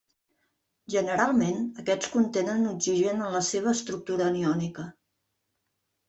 Generalment aquests contenen oxigen en la seva estructura aniònica.